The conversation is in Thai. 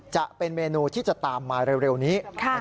จะเป็นเมนูที่จะตามมาเร็วนี้